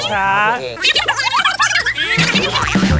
แหมดูมีความสุขนะ